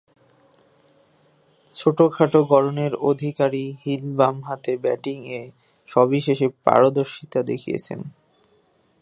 ছোট-খাঁটো গড়নের অধিকারী হিল বামহাতে ব্যাটিংয়ে সবিশেষ পারদর্শিতা দেখিয়েছেন।